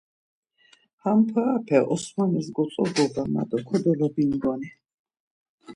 Ham parape Osmanis gotzobuğa ma do kodolobingoni.